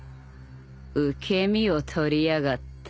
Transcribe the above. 受け身を取りやがった